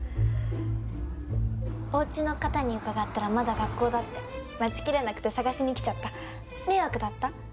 おうちの方に伺ったらまだ学校だって待ちきれなくてさがしに来ちゃった迷惑だった？